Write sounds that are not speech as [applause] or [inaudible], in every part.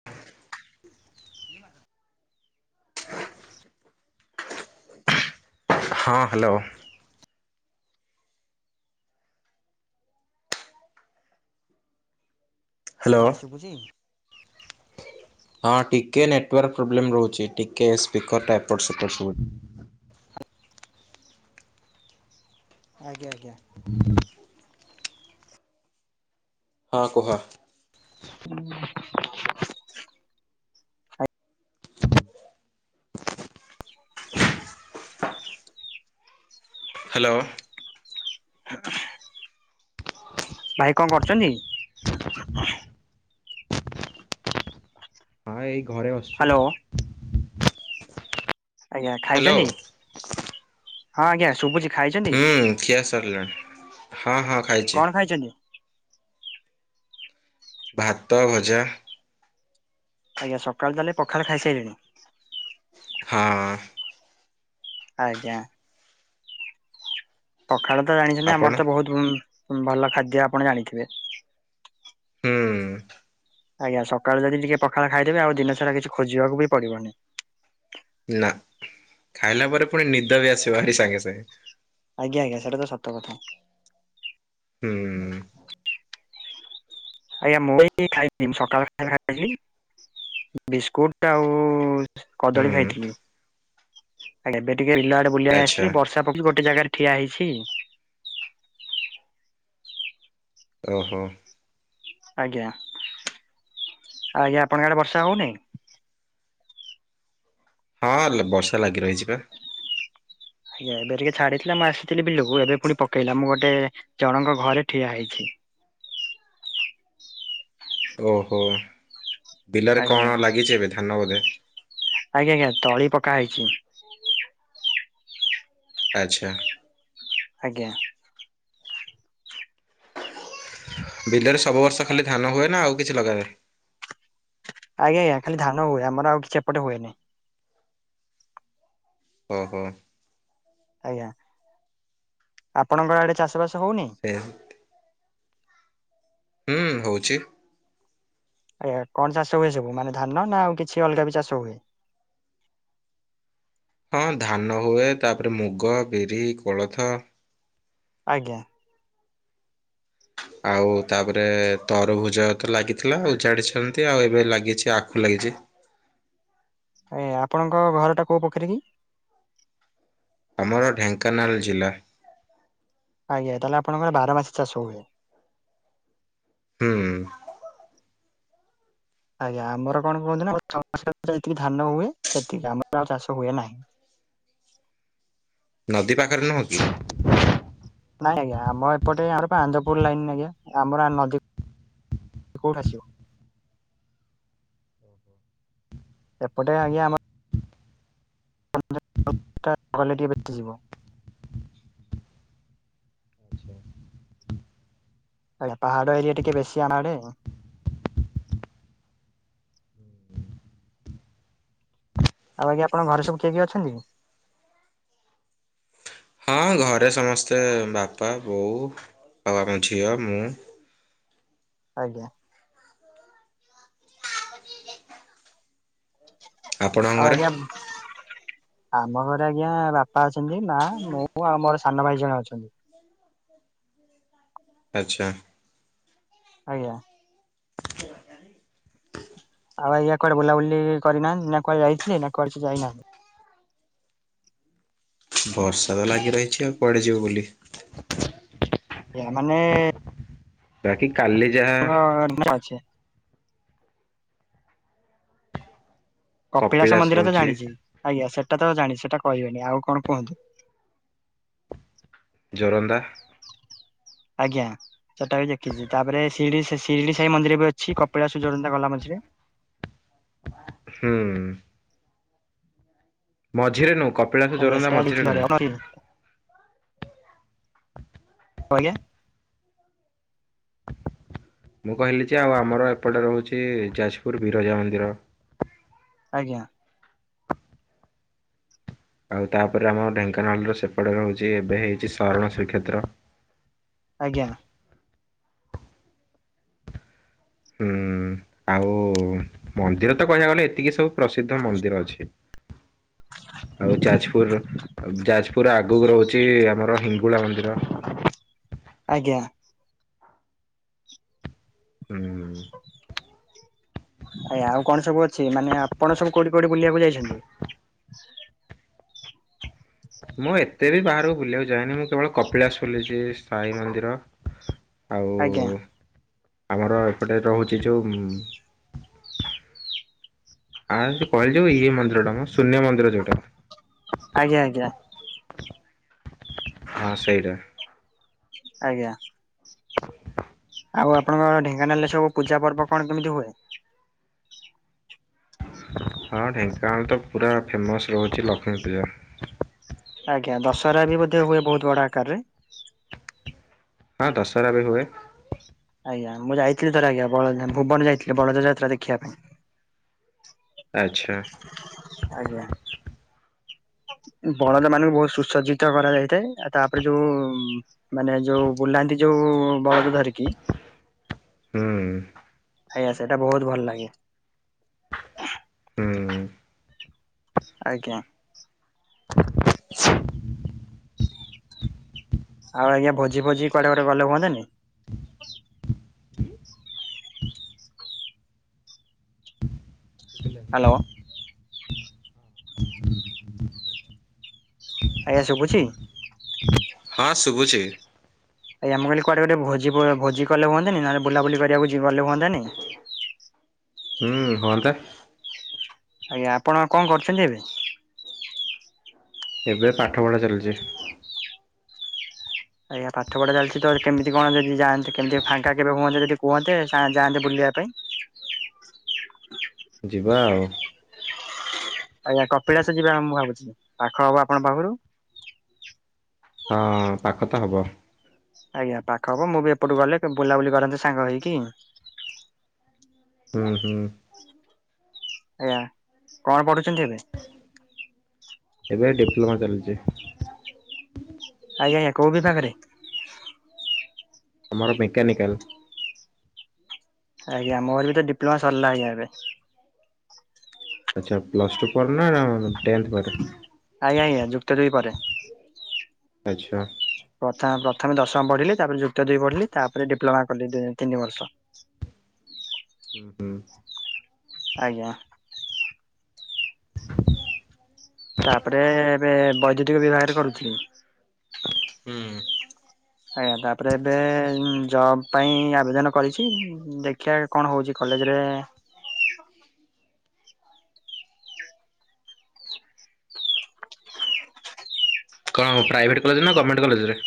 [unintelligible] ହଁ, ହାଲୋ। ହଁ ହ୍ୟାଲୋ। ଭାଇ ଶୁବୁଚି? ହଁ ଟିକେ ନେଟୱାର୍କ ପ୍ରୋବ୍ଲେମ୍ ରହୁଚି, ଟିକେ ସ୍ପିକର ଟା ଏପଟ୍ ସେପଟ୍ ଶୁବୁ ଆଜ୍ଞା ଆଜ୍ଞା। [unintelligible] ହଁ କୁହ? [unintelligible] [unintelligible] ହାଲୋ। [unintelligible] ଭାଇ କଣ କରୁଚନ୍ତି? [unintelligible] ହଁ ଏଇ ଘରେ ବସି ହାଲୋ। ଆଜ୍ଞା ହ୍ୟାଲୋ ଖାଇଚନ୍ତି, ହଁ ଆଜ୍ଞା ଶୁବୁଚି, ଖାଇଚନ୍ତି? ଖି୍ଆ ସରିଲାଣି। ହଁ ହଁ। ଖାଇଛି। କଣ ଖାଇଚନ୍ତି? ଭାତ, ଭଜା। ଆଜ୍ଞା, ସକାଳେ ତାହେଲେ ପଖାଳ ଖାଇ ସାଇଲେଣି? ହଁ। ଆଜ୍ଞା। ପଖାଳ ତ ଜାଣିଚନ୍ତି, ଆପଣ ଆମର ତ ବହୁତ ଉ ଭଲ ଖାଦ୍ୟ ଆପଣ ଜାଣିଥିବେ? ହୁଁ। ଆଜ୍ଞା, ସକାଳେ ଯଦି ଟିକେ ପଖାଳ ଖାଇଦେବେ, ଆଉ ଦିନ ସାରା କିଛି ଖୋଜିବାକୁ ବି ପଡିବନି। ନା, ଖାଇଲା ପରେ ପୁଣି ନିଦ ବି ଆସିବ ଭାରି ସାଙ୍ଗେ ସାଙ୍ଗେ। ଆଜ୍ଞା ଆଜ୍ଞା ସେଟା ତ ସତ କଥା। ହୁଁ। ଆଜ୍ଞା ମୁଁ ଏଇ [unintelligible] ସକାଳ ଖାଇବା ଖାଇଛି ବିସ୍କୁଟ ଆଉ ହୁଁ କଦଳୀ ଖାଇଥିଲି। ଆ ଏବେ ଟିକେ ବିଲ ଆଡେ ବୁଲିବା ପାଇଁ ଆଚ୍ଛା। ଆସିଥିଲି ବର୍ଷା ପକଉଚି ଗୋଟେ ଜାଗାରେ ଠିଆ ହେଇଛି। ଓହୋ। ଆଜ୍ଞା। ଆଜ୍ଞା ଆପଣଙ୍କ ଆଡେ ବର୍ଷା ହଉନି? ହଁ ଲୋ ବର୍ଷା ଲାଗି ରହିଛି ବା। ଆଜ୍ଞା। ଏବେ ଟିକେ ଛାଡିଥିଲା ମୁଁ ଆସିଥିଲି ବିଲକୁ ଏବେ ପୁଣି ପକେଇଲା ମୁଁ ଗୋଟେ ଗୋଟେ ଜଣଙ୍କ ଘରେ ଠିଆ ହେଇଛି। ଓହୋ ବିଲରେ ଆଜ୍ଞା କଣ ଲାଗିଛି ଏବେ ଧାନ ବୋଧେ? ଆଜ୍ଞା ଆଜ୍ଞା ତଳି ପକା ହେଇଛି। ଆଚ୍ଛା। ଆଜ୍ଞା। ବିଲରେ ସବୁ ବର୍ଷ ଖାଲି ଧାନ ହୁଏ ନା ଆଉ କିଛି ଲଗା ହୁଏ? ଆଜ୍ଞା ଆଜ୍ଞା ଖାଲି ଧାନ ହୁଏ। ଆମର ଆଉ କିଛି ଏପଟେ ହୁଏନି। ଓହୋ। ଆଜ୍ଞା। ଆପଣଙ୍କ ଆଡେ ଚାଷ ବାସ ହଉନି? ଏହା ହୁଁ ହଉଛି। ଆଜ୍ଞା। କଣ ଚାଷ ହୁଏ ସବୁ ମାନେ ଧାନ ନା ଆଉ କିଛି ଅଲଗା ବି ଚାଷ ହୁଏ? ହଁ ଧାନ ହୁଏ। ତାପରେ ମୁଗ, ବିରି, କୋଳଥ ଆଜ୍ଞା। ଆଉ ତାପରେ ତରଭୁଜ ତ ଲାଗିଥିଲା ଉଜାଡିଛନ୍ତି ଆଉ ଏବେ ଲାଗିଛି ଆଖୁ ଲାଗିଛି। ଏ ଆପଣଙ୍କ ଘରଟା କୋଉ ପୋଖରୀ କି? ଆମର ଘର ଢେଙ୍କାନାଳ ଜିଲ୍ଲା। ଆଜ୍ଞା ତାହେଲେ ଆପଣଙ୍କର ବାର ମାସି ଚାଷ ହୁଏ? ହୁଁ। ଆଜ୍ଞା ଆମର କଣ କୁହନ୍ତୁ ନା [unintelligible] ଧାନ ହୁଏ ସେତିକି ଆମର ଆଉ ଚାଷ ହୁଏ ନାହିଁ। ନଦୀ ପାଖରେ ନୁହଁ କି? ନାଇଁ ଆଜ୍ଞା ଆମ ଏପଟେ ଆମର ଆନ୍ଦପୁର ଲାଇନ ଆଜ୍ଞା ଆମର ନଦୀ କୋଉଠି ଆସିବ? ଏପଟେ ଆଜ୍ଞା ଆମ [unintelligible] ଆଜ୍ଞା ପାହାଡ ଏରିଆ ଟିକେ ବେଶୀ ଆମ ଆଡେ। ଆଉ ଆଜ୍ଞା ଆପଣ ଘରେ ସବୁ କିଏ କିଏ ଅଛନ୍ତି? ହଁ ଘରେ ସମସ୍ତେ ବାପା ବୋଉ ଆଉ ଆମ ଝିଅ ମୁଁ ଆଜ୍ଞା। ଆପଣଙ୍କ ଆଉ ଘରେ? ଆଜ୍ଞା ଆମ ଘରେ ଆଜ୍ଞା ବାପା ବାପା ଅଛନ୍ତି। ମା ମୁଁ ଆଉ ମୋର ସାନ ଭାଇ ଜଣେ ଅଛନ୍ତି। ଆଚ୍ଛା। ଆଜ୍ଞା। [unintelligible] ଆଉ ଆଜ୍ଞା କୁଆଡ ବୁଲାବୁଲି କରିନାହାନ୍ତି ନା କୁଆଡେ ଯାଇଥିଲେ ନା କୁଡେ ସେ ଯାଇନାହାନ୍ତି? ବର୍ଷା ତ ଲାଗି ରହିଛି ଆଉ କୁଆଡ଼େ ଯିବୁ ବୁଲି। ଆଜ୍ଞା ମାନେ ବାକି କାଲି ଯାହା। [unintelligible] କପିଳାସ ମନ୍ଦିର ତ ଜାଣିଛି ଆଜ୍ଞା ସେଟା ତ ଜାଣିଛି ସେଟା କହିବେନି ଆଉ କଣ କୁହନ୍ତୁ। ଜୋରନ୍ଦା। ଆଜ୍ଞା ସେଟା ବି ଦେଖିଛି, ତାପରେ ଶିଡି- ଶିରିଡି ସାହି ମନ୍ଦିର ବି ଅଛି କପିଳା ଜୋରନ୍ନ୍ଦା ଗଲା ମଝିରେ। ହୁଁ -ଉଁ। ମଝିରେ ନୁହଁ କପିଳାସ ଆଜ୍ଞା ଜୋରନ୍ଦା ସେଟା ମଝିରେ ନୁଁ ଆଜ୍ଞା କଁ ଆଜ୍ଞା। ମୁଁ କହିଲି ଯେ ଆଉ ଆମର ଏପଟେ ରହୁଛି ଯାଜପୁର ବିରଜା ମନ୍ଦିର। ଆଜ୍ଞା। ଆଉ ତାପରେ ଆମ ଢେଙ୍କାନାଳ ର ସେପଟେ ରହୁଛି, ଏବେ ହେଇଛି ଶରଣ ଶ୍ରୀକ୍ଷେତ୍ର। ଆଜ୍ଞା। ହୁଁ ଆଉ ମନ୍ଦିର ତ କହିବାକୁ ଗଲେ ଏତିକି ସବୁ। ପ୍ରସିଦ୍ଧ ମନ୍ଦିର ଅଛି। ଆଉ ଯାଜପୁର, ଯାଜପୁର ଆଗକୁ ରହୁଛି ଆମର ହିଙ୍ଗୁଳା ମନ୍ଦିର। ଆଜ୍ଞା। ହୁଁ -ଉଁ-ଉ। । ଆଜ୍ଞା ଆଉ କଣ ସବୁ ଅଛି, ମାନେ ଆପଣ ସବୁ କୋଉଠି କୋଉଠି ବୁଲିବାକୁ ଯାଇଛନ୍ତି? ମୁଁ ଏତେ ବି ବାହାରକୁ ବୁଲିବାକୁ ଯାଏନି, ମୁଁ କେବଳ କପିଳାସ ବୁଲିଛି ସାଇ ମନ୍ଦିର। ଆଉ ଆଜ୍ଞା। ଆମର ଏପଟେ ରହୁଛି ଯୋଉ ଆଉ ସେ କହିଲି ଯୋଉ ଇଏ ମନ୍ଦିର ଟା ମ ଶୂନ୍ୟ ମନ୍ଦିର ଯୋଉଟା। ଆଜ୍ଞା ଆଜ୍ଞା। ହଁ ସେଇଟା। ଆଜ୍ଞା। ଆଉ ଆପଣଙ୍କ ଢେଙ୍କାନାଳ ରେ ସବୁ ପୂଜା ପର୍ବ କଣ କେମିତି ହୁଏ? ହଁ ଢେଙ୍କାନାଳ ତ ପୁରା ଫେମସ୍ ରହୁଛି ଲକ୍ଷ୍ମୀ ପୂଜା। ଆଜ୍ଞା ଦଶହରା ବି ବୋଧେ ହୁଏ ବୋହୁତ୍ ବଡ ଆକାରେ। ହଁ ଦଶରା ବି ହୁଏ। ଆଜ୍ଞା ମୁଁ ଯାଇଥିଲି ଥରେ ଆଜ୍ଞା ବଳଝାମ ଭୁବନ ଯାଇଥିଲି ବଳଦ ଯାତ୍ରା ଦେଖିବା ପାଇଁ। ଆଚ୍ଛା। ଆଜ୍ଞା। ବଳଦ ମାନଙ୍କୁ ବହୁତ୍ ସୁସଜ୍ଜିତ କରାଯାଇଥାଏ। ତାପରେ ଯୋଉଁ ମାନେ ଯୋଉ ବୁଲାନ୍ତି ଯୋଉଁ ବଳଦ ଧରିକି। ହୁଁ -ଉଁ ଆଜ୍ଞା ସେଟା ବହୁତ୍ ଭଲ ଲାଗେ। ହୁଁ-ହୁଁ। ଆଜ୍ଞା। [inaudible] ଆଉ ଆଜ୍ଞା ଭୋଜି ଭୋଜି କୁଆଡେ ଗୋଟେ ଗଲେ ହୁଅନ୍ତାନି। ହାଲୋ। ଆଜ୍ଞା ଶୁଭୁଛି? ହଁ ଶୁଭୁଛି। ଆଜ୍ଞା। ମୁଁ କହିଲି କୁଆଡେ ଗୋଟେ ଭୋଜି ଭୋ ଭୋଜି କଲେ ହୁଅନ୍ତାନି, ନହେଲେ ବୁଲାବୁଲି କରିବାକୁ ଯି ଗଲେ ହୁଅନ୍ତାନି? ହୁଁ ହୁଅନ୍ତା। ଆଜ୍ଞା। ଆପଣ କଣ କରୁଛନ୍ତି ଏବେ? ଏବେ ପାଠପଢ଼ା ଚାଲିଚି। ଆଜ୍ଞା ପାଠ ପଢା ଚାଲିଚି ତ କେମିତି କଣ ଯଦି ଯାଆନ୍ତେ କେମତି ଫାଙ୍କା କେବେ ହୁଅନ୍ତେ ଯଦି କୁହନ୍ତେ ଯା ଯାଆନ୍ତେ ବୁଲିବା ପାଇଁ। ଯିବା ଆଉ। ଆଜ୍ଞା। କପିଳାସ ଯିବା ମୁଁ ଭାବୁଚି। ପାଖ ହବ ଆପଣଙ୍କ ପାଖରୁ। ହଁ ପାଖ ତ ହବ। ଆଜ୍ଞ। ପାଖ ହବ ମୁଁ ବି ଏପଟୁ ଗଲେ ବୁଲାବୁଲି କରନ୍ତେ ସାଙ୍ଗ ହେଇକି। ହୁଁ ହୁଁ। ଆଜ୍ଞା। କଣ ପଢୁଛନ୍ତି ଏବେ? ଏବେ ଡିପ୍ଲୋମା ଚାଲିଚି। ଆଜ୍ଞା ଆଜ୍ଞା। କୋଉ ବିଭାଗରେ? ଆମର ମେକାନିକାଲ୍। ଆଜ୍ଞା। ମୋର ବି ତ ଡିପ୍ଲୋମା ସରିଲା ଆଜ୍ଞା ଏବେ। ଆଚ୍ଛା। ପ୍ଲସ ଟୁ ପରେ ନା ଟେନ୍ଥ ପରେ? ଆଜ୍ଞା ଆଜ୍ଞା ଯୁକ୍ତଦୁଇ ପରେ। ଆଚ୍ଛା। ପ୍ରଥା ପ୍ରଥମେ ଦଶମ ପଢିଲି। ତାପରେ ଯୁକ୍ତ ଦୁଇ ପଢିଲି ତାପରେ ଡିପ୍ଲୋମା କଲି ଦି ତିନି ବର୍ଷ। ହୁଁ। ଆଜ୍ଞା। ତାପରେ ଏବେ ବୈଦ୍ୟୁତିକ ବିଭାଗରେ କରୁଥିଲି। ହୁଁ। ଆଜ୍ଞା। ତାପରେ ଏବେ ଉଁ ଜବ୍ ପାଇଁ ଆବେଦନ କରିଚି, ଦେଖିବା କଣ ହେଉଛି କଲେଜରେ କଣ ପ୍ରାଇଭେଟ୍ କଲେଜ ନା ଗମେଣ୍ଟ କଲେଜରେ?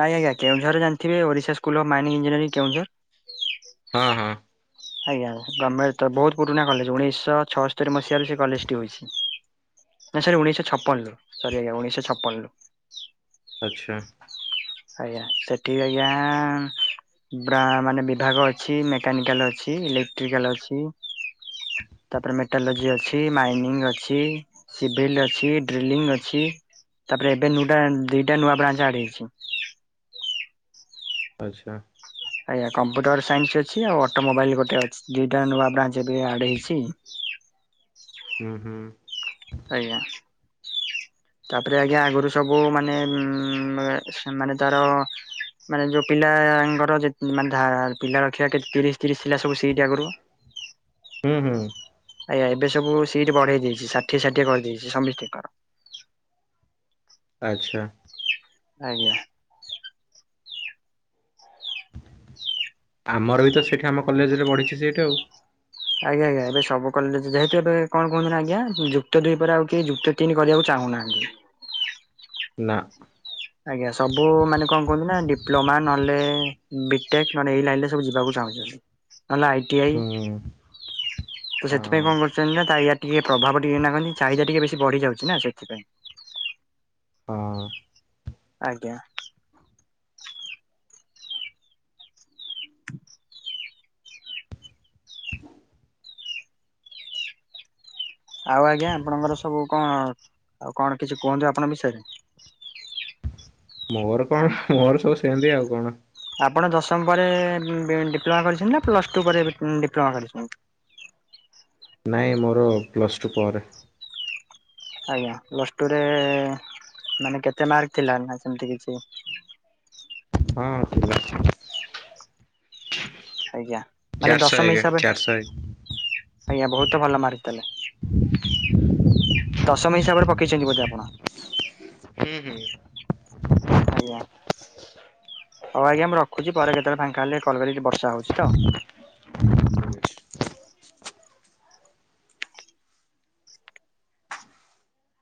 ନାଇଁ ଆଜ୍ଞା, କେଉଁଝର ଜାଣିଥିବେ Odisha school of mining engineering Keonjhar. ହଁ ହଁ। ଆଜ୍ଞା। ଗମେଣ୍ଟ ତ ବହୁତ୍ ପୁରୁଣା କଲେଜ, ଉଣେଇଶହ ଛଅସ୍ତରି ମସିହାରୁ ସେ କଲେଜ ଟି ହୋଇଛି। ନାଁ ସାର୍ ଉଣେଇଶହ ଛପନ ରୁ ସରି ଆଜ୍ଞା ଉଣେଇଶ ଛପନରୁ। ଆଚ୍ଛା। ଆଜ୍ଞା। ସେଠି ଆଜ୍ଞା ବ୍ରା ମାନେ ବିଭାଗ ଅଛି ମେକାନିକାଲ୍ ଅଛି ଇଲେକ୍ଟ୍ରିକାଲ୍ ଅଛି। ତାପରେ ମେଟାଲୋଜି ଅଛି ମାଇନିଂ ଅଛି। ସିଭିଲ୍ ଅଛି ଡ୍ରିଲିଂ ଅଛି। ତାପରେ ଏବେ ନୂଟା ଦିଟା ନୂଆ ବ୍ରାଞ୍ଚ ଆଡ୍ ହେଇଛି। ଆଚ୍ଛା। ଆଜ୍ଞା। କମ୍ପ୍ୟୁଟର ସାଇନ୍ସ ଅଛି, ଆଉ ଅଟୋମୋବାଇଲ ଗୋଟେ ଅଛି ଦିଇଟା ନୂଆ ବ୍ରାଞ୍ଚ ଏବେ ଆଡ୍ ହେଇଛି। ଉଁ ହୁଁ। ଆଜ୍ଞା। ତାପରେ ଆଜ୍ଞା ଆଗରୁ ସବୁ ମାନେ ଉମ୍ ମାନେ ତାର ମାନେ ଯୋଉ ପିଲାଙ୍କର ମାନେ ଧା ପିଲା ରଖିବା ତିରିଶ ତିରିଶ ଥିଲା ସବୁ ସିଟ୍ ଆଗରୁ। ହୁଁ ହୁଁ। ଆଜ୍ଞା। ଏବେ ସବୁ ସିଟ୍ ବଢେଇ ଦେଇଚି ଷାଠିଏ ଷାଠିଏ କରିଦେଇଚି ସମସ୍ତିଙ୍କର। ଆଚ୍ଛା। ଆଜ୍ଞା। ଆମର ବି ତ ସେଇଠି ଆମ କଲେଜରେ ବଢିଛି ସିଟ୍ ଆଉ। ଆଜ୍ଞା ଆଜ୍ଞା ଏ ସବୁ କଲେଜ ଯେହେତୁ ଏବେ କଣ କୁହନ୍ତୁ ଆଜ୍ଞା ଯୁକ୍ତ ଦୁଇ ପରେ ଆଉ ଯୁକ୍ତ ଦୁଇ କରିବାକୁ ଚାହୁଁନାହାନ୍ତି। ନା। ଆଜ୍ଞା ସବୁ ମାନେ କଣ କୁହନ୍ତି ନା ଡିପ୍ଲୋମା ନହେଲେ ବିଟେକ୍ ନହେଲେ ଏଇ ଲାଇନ୍ ରେ ସବୁ ଯିବାକୁ ଚାହୁଁଛନ୍ତି। ନହେଲେ ଆଇଟିଆଇ। ହୁଁ ତ ହଁ ସେଥିପାଇଁ କଣ କରୁଛନ୍ତି ନା ୟାର ଟିକେ ପ୍ରଭାବ ଟିକେ ଏଇନା ଚାହିଦା ଟିକେ ବେଶୀ ବଢି ଯାଉଛି ନା ସେଥିପାଇଁ। ହଁ। ଆଜ୍ଞା। [unintelligible] ଆଉ ଆଜ୍ଞା ଆପଣଙ୍କର ସବୁ କଣ ଆଉ କଣ କିଛି କୁହନ୍ତୁ ଆପଣଙ୍କ ବିଷୟରେ? ମୋର କଣ ମୋର ସବୁ ସେନ୍ତି ଆଉ କଣ। ଆପଣ ଦଶମ ପରେ ଡିପ୍ଲୋମା କରିଛନ୍ତି ନା ପ୍ଲସ ଟୁ ପରେ ଡିପ୍ଲୋମା କରିଛନ୍ତି? ନାଇଁ ମୋର ପ୍ଲସ୍ ଟୁ ପରେ। ଆଜ୍ଞା ପ୍ଲସ୍ ଟୁରେ ମାନେ କେତେ ମାର୍କ ଥିଲା ନା ସେମତି କିଛି? ହଁ। ଥିଲା ଆଜ୍ଞା ମାନେ ଚାରିଶହ ଦଶମ ଏକ ଚାରିଶହ ହିସାବରେ ଆଜ୍ଞା ବହୁତ ଭଲ ମାର୍କ ଥିଲା। ଦଶମ ହିସାବରେ ପକେଇଛନ୍ତି ବୋଧେ ଆପଣ? ହୁଁ ହୁଁ। ଆଜ୍ଞା। ହଉ ଆଜ୍ଞା ମୁଁ ରଖୁଛି ପରେ କେତେବେଳେ ଫାଙ୍କା ହେଲେ କଲ କରିବି ବର୍ଷା ହଉଛି ତ। ହୁଁ